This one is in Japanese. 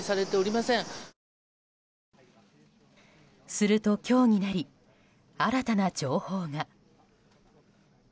すると、今日になり新たな情報が。